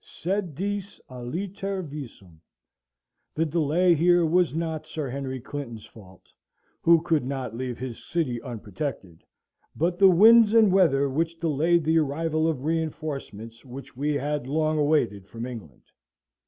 Sed Dis aliter visum. The delay here was not Sir Henry Clinton's fault, who could not leave his city unprotected; but the winds and weather which delayed the arrival of reinforcements which we had long awaited from England.